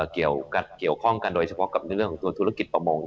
เกี่ยวข้องกันโดยเฉพาะกับในเรื่องของตัวธุรกิจประมง